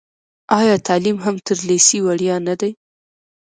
آیا تعلیم هم تر لیسې وړیا نه دی؟